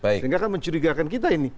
sehingga akan mencurigakan kita ini